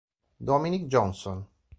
Dominique Johnson